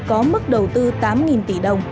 có mức đầu tư tám tỷ đồng